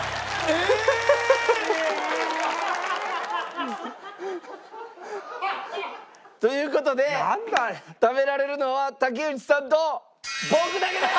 ええ。という事で食べられるのは竹内さんと僕だけです！